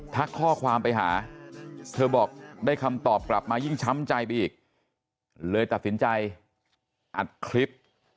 ข้อความไปหาเธอบอกได้คำตอบกลับมายิ่งช้ำใจไปอีกเลยตัดสินใจอัดคลิป